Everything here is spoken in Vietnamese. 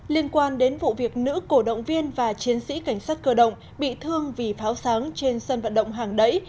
liên quan đến vụ việc nữ cổ động viên và chiến sĩ cảnh sát cơ động bị thương vì pháo sáng trên sân vận động hàng đẩy